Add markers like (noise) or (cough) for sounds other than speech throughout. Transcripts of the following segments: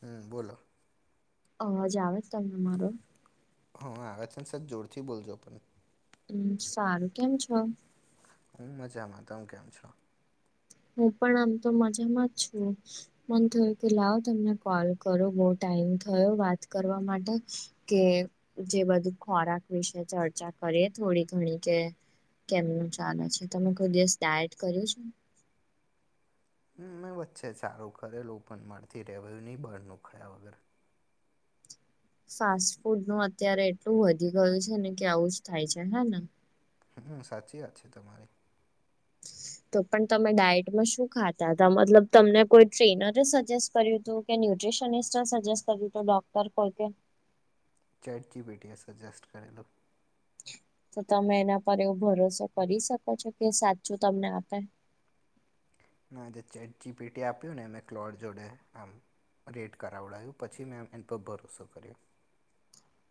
હમ બોલો. અવાજ આવે તમને મારો? હા હોવે આવે છેને સર જોરથી બોલજો પણ. હમ સારું કેમ છો? હું મજામાં. તમે કેમ છો? હું પણ આમ તો મજામાં જ છું. મન થયું કે લાવ તમને કોલ કરો બહુ ટાઈમ થયો વાત કરવા માટે. કે જે બધું ખોરાક વિશે ચર્ચા કરીએ થોડી ઘણી કે. કેમનું ચાલે છે તમે કોઈ દિવસ ડાયટ કર્યું છે. હ મેં વચ્ચે સારું કરેલું પણ મારાથી રહેવાયું નહીં બહારનુ ખાયા વગર. ફાસ્ટ ફૂડ નું અત્યારે એટલું વધી ગયું છે ને કે આવુંજ થાય છે હે ને. હમ સાચી વાત છે તમારી. તો પણ, તમે ડાયટમાં શું ખાતાતા મતલબ તમને, કોઈ ટ્રેનરે સજેસ્ટ કર્યું હતું, કે ન્યુટ્રીશનિસ્ટ સજેસ્ટ કર્યું ડોક્ટર કો ચેટ જીપીટી સજેસ્ટ કરેલો.. તો, તમે એના પર એવો ભરોસો કરી શકો છો, કે સાચું તમને આપે? ના, જે ચેટ જીપીટી આપ્યું, ને મે ક્લોર જોડે આમ. રેટ કરાવડાવું પછી, મેં એની પર ભરોસો કર્યો.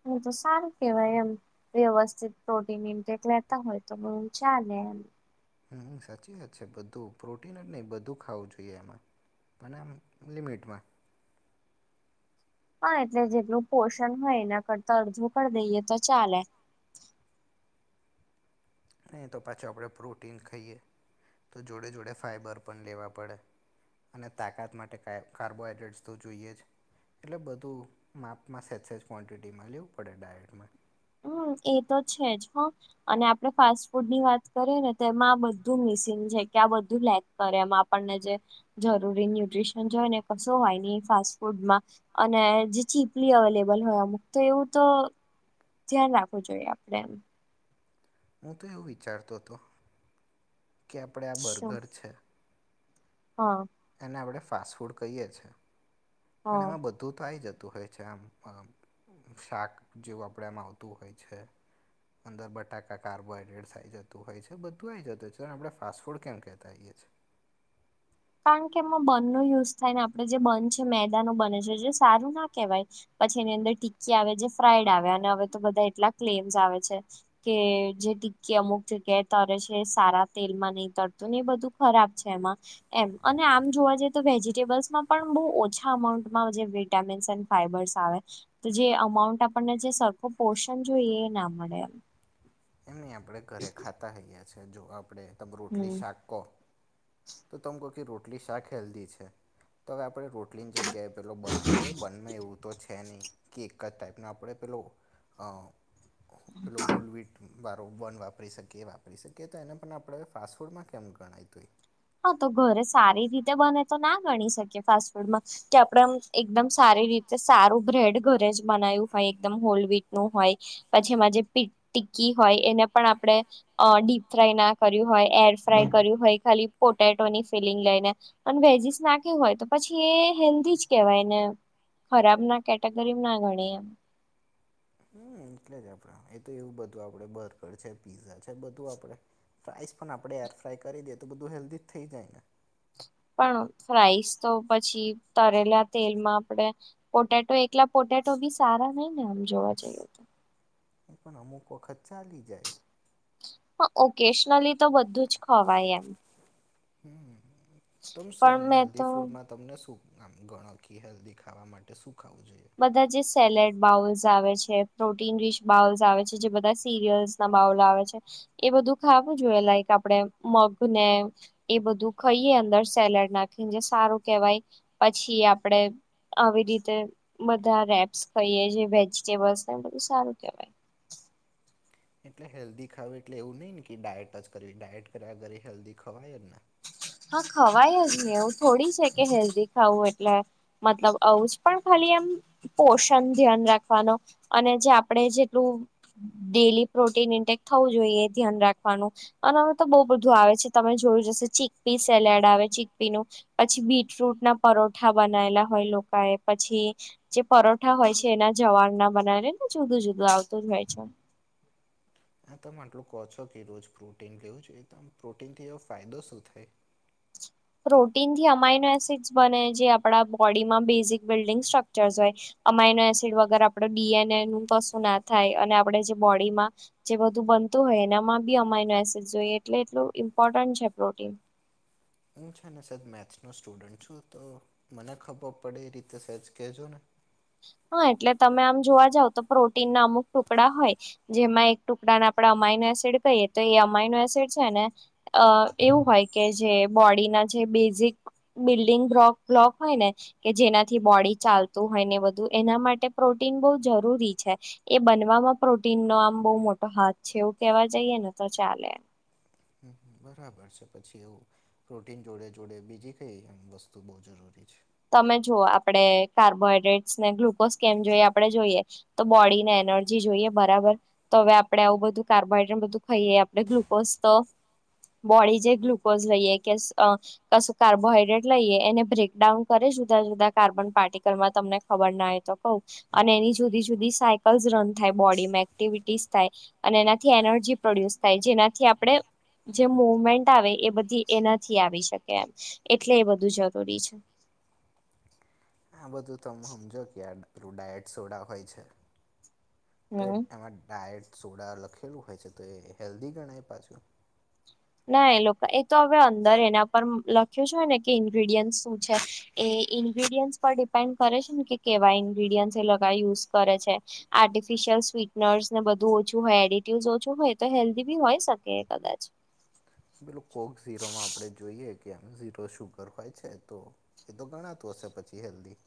હ, તો સારું કેવાય એમ. વ્યવસ્થિત પ્રોટીન ઇન્ટેક લેતા હોય, તો બો ચાલે એમ.. હમ, સાચી વાત છે, બધું પ્રોટીન જ નઇ બધું ખાવું જોઈએ એમાં. પણ આમ લિમિટમાં.. હા એટલે જેટલું પોષણ હોય, એના કરતા અડધું કરી દઈએ તો ચાલે. નહીં, તો પાછું આપણે પ્રોટીન ખાઈએ, તો જોડે જોડે ફાઈબર પણ લેવા પડે. અને તાકાત માટે કે કાર્બોહાઈડ્રેટ્સ તો જોઈએ જ. એટલે બધું માપમાં સેજ સેજ ક્વોન્ટિટીમાં લેવું પડે ડાયટમાં. હમ એ તો છે, જ હ અને આપણે ફાસ્ટ ફૂડ ની વાત કરીએ ને તો, એમાં આ બધું મિસિંગ છે, કે આ બધું લે કરે, એમાં આપણને, જે જરૂરી ન્યુટ્રીશન જોયને કશું હોય ન ફાસ્ટ ફૂડમાં. અને જે ચીપલી અવેલેબલ હોય, અમુક તો એવું તો. ધ્યાન રાખવું જોઈએ, આપડે એમ. હું તો એવું વિચારતો હતો કે આપણે આ શું બર્ગર છે. હા એને આપણે ફાસ્ટ ફૂડ કહીએ છીએ હ પણ, એમાં બધું તું તો આવી જતું હોય છે, આમ શાક જેવું આપણે એમાં આવતું હોય છે. અંદર બટાકા કાર્બોહાઈડ્રેટ્સ આવી જતું હોય છે, બધું આવી જતું હોય છે, અને આપણે ફાસ્ટ ફૂડ કેમ કહેતાઈએ છીએ. કારણ કે, એમાં બંધનો યુઝ થાય ને આપણે જે બંધ છે, મેદા ન બને છે, જે સારું ના કહેવાય. પછી, એની અંદર ટિક્કી આવે, જે ફ્રાઈડ આવે અને હવે, તો બધા એટલા ક્લેમ્સ આવે છે. કે, જે ટીકી અમુક જગ્યા તરે છે, સારા તેલમાં નહી તરતુંને એ બધું. ખરાબ છે, એમાં. એમ અને આમ જોવા જઈએ, તો વેજીિટેબલ્સમાં પણ, બહુ ઓછા અમાઉન્ટમાં જે વિટામીન્સ ફાઈબર્સ આવે, તો જે અમાઉન્ટ આપણને, જે સરખો પોર્શન જોઈએ એના મળે એમ, આપણે ઘરે ખાતા હોઈએ છીએ, જો આપણે તમે રોટલી હમ શાક કો તો તમે કહો કે, રોટલી શાક હેલ્ધી છે. તો હવે, આપણે રોટલીની જગ્યાએ પેલો બન આવીગયો અવે એ બનમાં એવું તો છે, નહીં કે, એક જ ટાઈપને આપણે પેલો પેલો હોલવીટ. વારો વન વાપરી શકીએ વાપરી શકીએ, તો એને પણ આપણે ફાસ્ટફૂડમાં કેમ ગણાયતું હોએ? હા, તો ઘરે સારી રીતે બને તો, ના ગણી શકી ફાસ્ટ ફૂડમાં કે, આપડે એકદમ સારી રીતે સારું બ્રેડ ઘરે જ બનાવ્યું હોય, એકદમ હોલવીટ નું હોય પછી, એમાં જે ટિકકી હોય એને પણ આપણેે અ ડીપફ્રાયના કર્યું હોય, એરફ્રાય કર્યું હોય, ખાલી પોટેટોની ફિલિંગ લઈને અને વેજીસ નાખી હોય, તો પછી એ હેલ્ધી જ કેવાયને. ખરાબ ના કેટેગરી ના ગણી એમ હમ એટલે જ, આપડે એ તો એવું બધું આપડે બર્ગર છે, પીઝા છે બધું આપડે રાઇસ પણ આપણે એરફ્રાય કરી દઈએ, તો બધું હેલ્ધી થઈ જાય ને પણ ફ્રઇસ તો પછી, તરેલા તેલ માં આપણેે પોટેટો એકલા પોટેટો બી સારા નઈને આમ, જોવા જઈએ તો. એ પણ અમુક વખત ચાલી જાય. હા, ઓકેશનલીતો બધું જ ખવાય એમ. હમ તમ શું પણ આમ, મેં હેલ્ધી તો ફૂડમાં તમને શું? આમ, ગણો કી હેલ્ધી ખાવા માટે શું ખાવું જોઈએ? બધા જે સેલેડ બાઉલ્સ આવે છે, પ્રોટીન રીચ બાઉલ્સ આવે છે, જે બધા સીરિયલ્સ મા આવે છે એ બધું ખાવું જોઈએ લાઈક આપણેે મગને એ બધું ખાઈએ અંદર સેલેડ નાખી જે સારું કેહેવાય પછી આપડે આવી રીતે બધા રેપ્સ કાઈએ જે વેજીટેબલ્સ બધું સારું કેવાય, એટલે હેલ્ધી ખાવું એટલે એવું નહીં ને કે ડાયટ જ કરવી ડાયટ કર્યા ઘરે હેલ્ધી ખવાયજને હા ખવાય જ ને એવું થોડી છે કે હેલ્ધી ખાવું એટલે મતલબ આવુંજ પણ ખાલી એમ પોષણ ધ્યાન રાખવાનો અને જે આપણે જેટલું ડેલી પ્રોટીન ઇન્ટેક થવું જોઈએ ધ્યાન રાખવાનું અનેમાં તો બહુ બધું આવે છે તમે જોયું જશેો ચીકપી સેલેડ આવે ચીકપી નું પછી બીટ રુટ ના પરોઠા બનાયલા હોય લોકા એ પછી જે પરોઠા હોય છે એના જવાર ના બનાવીને ને જુદું જુદું આવતું જ હોય છે. આ તમે આટલું કહો છો કે રોજ પ્રોટીન લેવું જોઈએ તો આમ પ્રોટીનથી એવો ફાયદો શું થાય? પ્રોટીન થી અમાઈનો એસિડ્સ બને જે આપણા બોડીમાં બેઝિક બિલ્ડિંગ સ્ટ્રક્ચર્સ હોય. અમાઇનો એસિડ વગર આપડે ડીએનએ નું કશું ના થાય અને આપણે જે બોડીમાં જે બધું બનતું હોય એનામાં બી અમાઈનું એસીડ જોઈએ એટલે એટલું ઇમ્પોર્ટન્ટ છે પ્રોટીન હું છે ને સર મેથ્સનો સ્ટુડન્ટ છું તો મને ખબર પડે એ રીતે સેજ કહેજો ને હા એટલે તમે આમ જોવા જાવ તો પ્રોટીન ના અમુક ટુકડા હોય જેમાં એક ટુકડાને આપણેે અમાઇનો એસિડ કહીએ તો એ અમાઈનો એસિડ છે ને અ એવું હોય કે જે બોડીના જે બેઝિક બિલ્ડિંગ બ્રોક બ્લોક હોય ને કે જેનાથી બોડી ચાલતું હોય ને બધું એના માટે પ્રોટીન બહુ જરૂરી છે. એ બનવામાં પ્રોટીન નો આમ બહુ મોટો હાથ છે, એવું કેવા જઈએ ને તો ચાલે હમ બરાબર છે પછી એવું પ્રોટીન જોડે જોડે બીજી કઈ એ વસ્તુ બહુ જરૂરી છે તમે જુઓ આપડે કાર્બોહાઈડ્રેટ્સ ને ગ્લુકોઝ કેમ જોઈ આપણે જોઈએ. તો બોડીને એનર્જી જોઈએ બરાબર તો હવે આપડે આવું બધું કાર્બોહાઈડ્રેટ બધું ખાઈએ આપણે ગ્લુકોઝ તો બોડી જે ગ્લુકોઝ લઈએ કે એ કશું કાર્બોહાઈડ્રેટ લઈએ એને બ્રેકડાઉન કરે જુદા જુદા કાર્બન પાર્ટિકલમાં તમને ખબર ના હોય તો કઉ અને એની જુદી જુદી સાયકલ્સ રન થાય બોડીમાં એક્ટિવિટીસ થાય. અને એનાથી એનર્જી પ્રોડ્યુસ થાય જેનાથી આપણે જે મુવમેન્ટ આવે એ બધી એનાથી આવી શકે એમ એટલે એ બધું જરૂરી છે. આ બધું તમે હમજો કે આ પૃ ડાયટ સોડા હોય છે. તો એ હમ એમાં ડાયટ સોડા લખેલું હોય છે તો એ હેલ્ધી ગણાય પાછું ના એ લોકો એ તો હવે અંદર એના પર લખ્યો છે ને કે ઇન્ગ્રીડિયન્ટ શું છે. એ ઇન્ગ્રીડિયન્ટસ પર ડિપેન્ડ કરે છે ને કે કેવા ઇન્ગ્રીડિયન્ટસ એ લગા યુઝ કરે છે. આર્ટિફિશિયલ સ્વીટનર્સ ને બધું ઓછું હોય એડિટિવ ઓછું હોય તો હેલ્ધી બી હોય શકે કદાચ બ્લુ કોક ઝીરોમાં આપણે જોઈએ કે આમ ઝીરો શુગર હોય છે તો? એ તો ઘણાતું હશે પછી હેલ્ધી.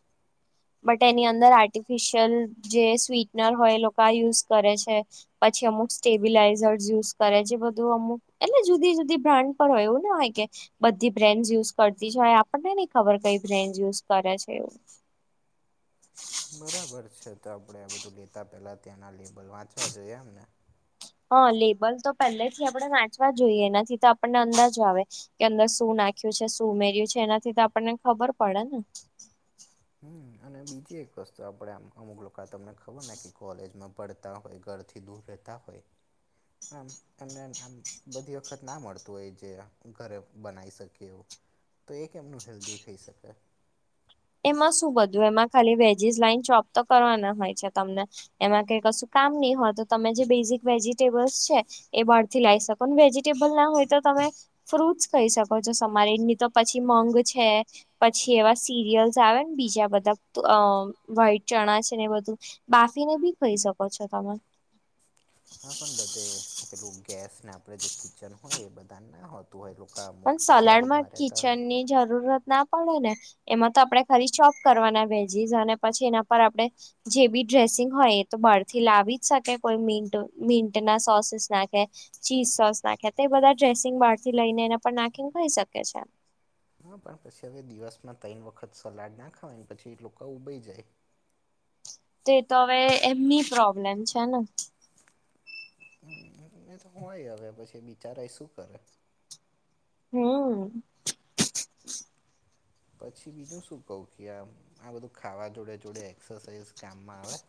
બટ એની અંદર આર્ટિફિશિયલ જે સ્વીટનર હોય એ લોકા આ યુઝ કરે છે. પછી અમુક સ્ટેબિલાઈઝર્સ યુઝ કરે જે બધું અમુક એટલે જુદી જુદી બ્રાન્ડ પર હોય એવું ના હોય કે બધી બ્રેન્ડ યુઝ કરતી છે હોય આપણને નઈ ખબર કઈ બ્રેન્ડ યુઝ કરે છે એવું (inaudible) બરાબર છે તો આપણેે બધું લેતા પેલા ત્યાંના લેબલ વાંચવા જોઈએ એમ ને. હા લેબલ તો પહેલે થી આપણેે વાચવા જોઈએ એનાથી તો આપણને અંદાજો આવે કે અંદર શું નાખ્યું છે શું ઉમેર્યું છે એનાથી તો આપણને ખબર પડે ને. હમ્મ અને બીજી એક વસ્તુ આપડે અમુક લોકો તમને ખબર ને કે કોલેજમાં પડતા હોય ઘરથી દૂર રહેતા હોય હમ્મ એમને આમ બધી વખત ના મળતું હોય જે ઘરે બનાવી શકીએ એવું તો એ કેમનું હેલ્ધી ખઇ શકાય એમાં શું બધું એમાં ખાલી વેજીસ લાઈન ચોપ તો કરવાના હોય છે તમને એમાં કઈ કશું કામ નહી હોય તો તમે જે બેઝિક વેજીિટેબલ્સ છે. એ બહાર થી લઈ શકો વેજીિટેબલ ના હોય તો તમે ફ્રૂટસ ખઈ શકો છો તમારે એની તો પછી મંગ છે પછી એવા સિરિયલ્સ આવે ને બીજા બધા અ વાહિટ ચણા છે ને બધું બાફીને બી ખઈ શકો છો તમે હા પણ બધે પેલું ગેસને આપણેે જે કિચન હોય એ બધા ના હોતું હોય તો પણ સલાડ માં કિચન ની જરૂરત ના પડે ને એમાં તો આપણે ખાલી ચોપ કરવાના વેજીસ અને પછી એના પર આપણે જે બી ડ્રેસિંગ હોય એ તો બારથી લાવી જ શકે કોઈ મી મીન્ટના સોસીસ નાખે ચીઝ સોસ નાખે તો એ બધા ડ્રેસિંગ બહાર થી લઈને એને પર નાખીને ખઈ શકે છે. હા પણ પછી હવે દિવસમાં ત્રણ વખત સલાડ ના ખાવા પછી એ લોકો ઊબઈ જાય. તે તો હવે એમની પ્રોબ્લેમ છે ને હ એ તો હોય હવે પછી બિચારા શું કરે હમ્મ. પછી બીજું શું કહું કે આમ આ બધું ખાવા જોડે જોડે એક્સરસાઇઝ કામમાં આવે.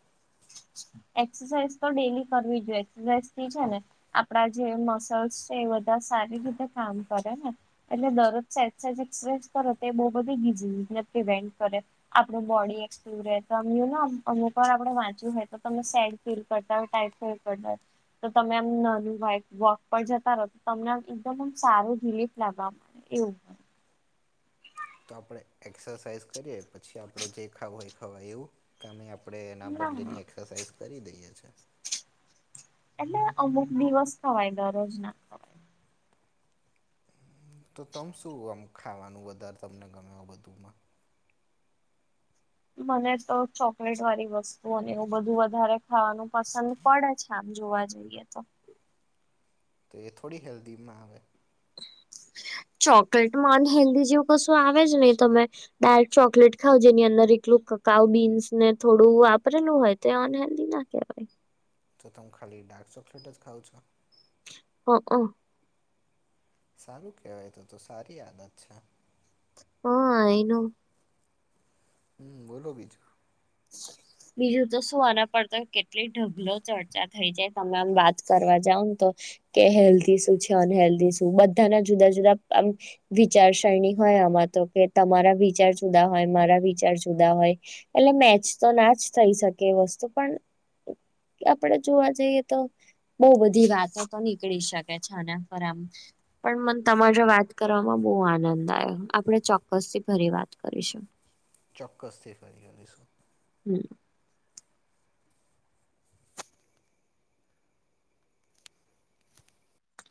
એક્સરસાઇઝ તો ડેલી કરવી જોઈએ એક્સરસાઇઝ થી છે ને. આપડા જે મસલ્સ છે એ બધા સારી રીતે કામ કરે ને એટલે દરરોજ સેન્સીખ્સ કરો બહું બધી ગીચ ઈવેન્ટ કરે આપણું બોડી એકટીવ તો રહે ને અમુક વાર આપડે વાંચવ્યું હોય તો તમે સેડ ફીલ કરતા હતા તે તો તમે આમ નાનું વાક વોક પર જતા રહો તો તમને આ એકમ સાર રિલીફ લાગવા એવું. તો આપણે એક્સરસાઇઝ કરીએ પછી આપણે જે ખાવું એય ખવા એવું? કે અમે આપણે એના ના બદલેની એક્સરસાઇઝ કરી દઈએ છીએ. એટલે અમુક દિવસ ખવાય દરરોજ ના. તો તમ શું આમ ખાવાનું વધારે તમને ગમે બધુંમાં? મને તો ચોકલેટ વાળી વસ્તુઓને એવું બધું વધારે ખાવાનું પસંદ પડે છે આમ જોવા જઈએ. (unintelligible) તે થોડી હેલ્ધીમાં આવે. ચોકલેટમાંન હેન્દી જેવું કશું આવે જ નહી તમે. ડાય્ક ચોકલેટ ખાવ જેની અંદર એકલું કકાઉ બીન્સ ને થોડું વાપરેલું હોય. તે અનહેલ્ધ ના કવાય. તો તમે ખાલી ડાર્ક ચોકલેટ જ ખાવ છો? હક. સારું કહેવાય તો તો સારી આદત છે. હા આઈ નો. હમ્મ, બોલો બીજું. જ બીજું તો શું આના પડ તો કેટલી ઢગલો ચર્ચા થઈ જાય તમે આમ વાત કરવા જાવ ને તો. કે હેલ્ધી શું છે, અનહેલ્ધી શું બધાના જુદા જુદા આમ વિચારસરણી હોય આમાં તો કે તમારા વિચાર જુદા હોય, મારા વિચાર જુદા હોય એટલે મે ચ તો ના જ થઈ શકે એ વસ્તુ પણ આપણે જોવા જઈએ તો બવ બધી વાતો તો નીકળી શકે છે આના પર આમ. પણ મને તમાજો વાત કરવામાં બહુ આનંદ આયો આપણે ચોક્કસ થી ફરી વાત કરીશું. ચોક્કસથી ફરી કરીશું. હમ્મ.